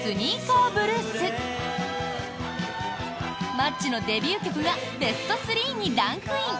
マッチのデビュー曲がベスト３にランクイン！